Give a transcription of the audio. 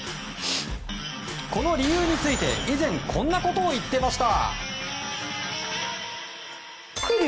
この理由について、以前こんなことを言っていました。